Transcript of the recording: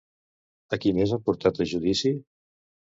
A qui més han portat a judici?